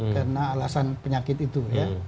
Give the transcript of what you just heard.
karena alasan penyakit itu ya